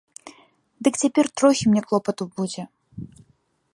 Дык цяпер трохі мне клопату будзе.